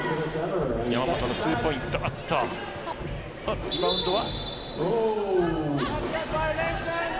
山本のツーポイントリバウンドは。